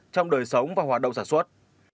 trong đời sống và hoạt động sản xuất